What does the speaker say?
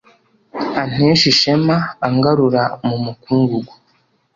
anteshe ishema angaragura mu mukungugu